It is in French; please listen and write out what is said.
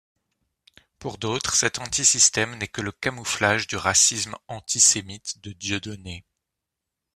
Pour d'autres, cet antisystème n'est que le camouflage du racisme antisémite de Dieudonné.